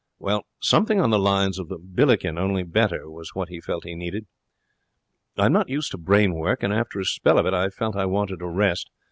Something on the lines of the Billiken, only better, was what he felt he needed. I'm not used to brain work, and after a spell of it I felt I wanted a rest.